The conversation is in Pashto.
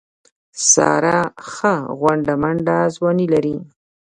ساره ښه غونډه منډه ځواني لري.